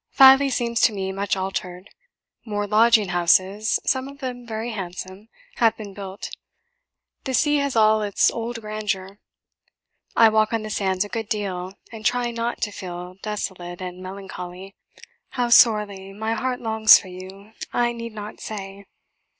Filey seems to me much altered; more lodging houses some of them very handsome have been built; the sea has all its old grandeur. I walk on the sands a good deal, and try NOT to feel desolate and melancholy. How sorely my heart longs for you, I need not say.